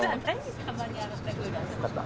わかった。